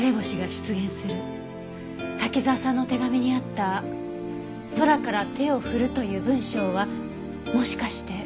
滝沢さんの手紙にあった「空から手を振る」という文章はもしかして。